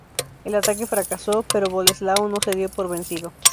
El ataque fracasó, pero Boleslao no se dio por vencido.